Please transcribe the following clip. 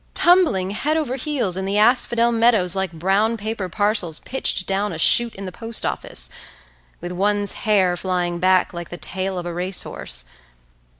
Tumbling head over heels in the asphodel meadows like brown paper parcels pitched down a shoot in the post office! With one's hair flying back like the tail of a race horse.